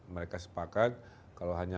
mereka sepakat kalau hanya